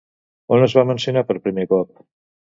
On es va mencionar per primer cop?